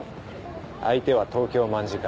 相手は東京卍會。